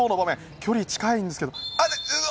距離、近いんですけど。ああ！